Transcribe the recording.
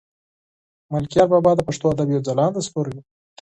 ملکیار بابا د پښتو ادب یو ځلاند ستوری دی.